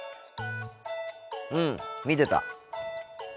うん見てた。